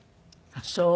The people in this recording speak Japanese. あっそう。